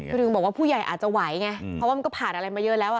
คือถึงบอกว่าผู้ใหญ่อาจจะไหวไงเพราะว่ามันก็ผ่านอะไรมาเยอะแล้ว